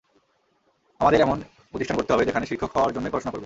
আমাদের এমন প্রতিষ্ঠান গড়তে হবে, যেখানে শিক্ষক হওয়ার জন্যই পড়াশোনা করবে।